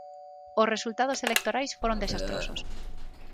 Os resultados electorais foron desastrosos.